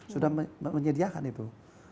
sudah menyediakan itu